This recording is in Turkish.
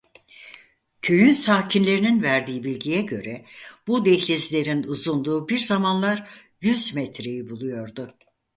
Köyün sakinlerinin verdiği bilgiye göre bu dehlizlerin uzunluğu bir zamanlar yüz metreyi buluyordu.